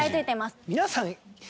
皆さん。